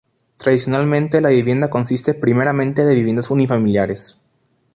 Tradicionalmente la vivienda consiste primeramente de viviendas unifamiliares.